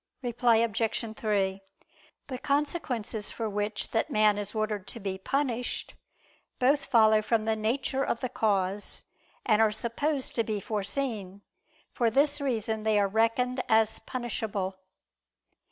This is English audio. Reply Obj. 3: The consequences for which that man is ordered to be punished, both follow from the nature of the cause, and are supposed to be foreseen. For this reason they are reckoned as punishable.